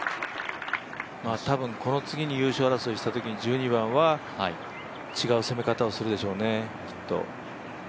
多分この次に優勝争いしたときに１２番は違う攻め方をするでしょうね。